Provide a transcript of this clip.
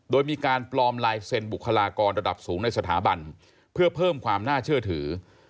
โดยมีการปลอมลายเซ็นบุคลากรระดับสูงในสถาบันเพื่อเพิ่มความน่าเชื่อถือ